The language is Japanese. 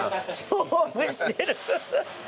勝負してる。